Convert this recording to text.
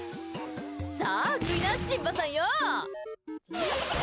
さあ食いな、シンバさんよ！